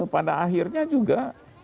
pada akhirnya juga